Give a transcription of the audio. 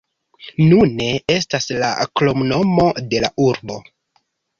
Nune estas la kromnomo de la urbo.